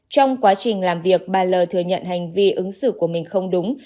trong quá trình làm việc bà l thừa nhận hành vi ứng xử của mình không đúng